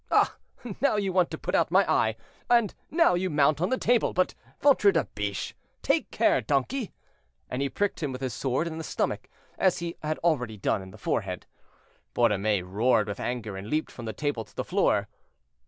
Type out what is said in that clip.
Ah! now you want to put out my eye. And now you mount on the table; but, ventre de biche! take care, donkey." And he pricked him with his sword in the stomach, as he had already done in the forehead. Borromée roared with anger and leaped from the table to the floor.